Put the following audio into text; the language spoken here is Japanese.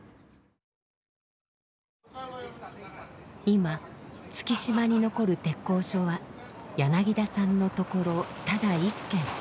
今月島に残る鉄工所は柳田さんのところただ一軒。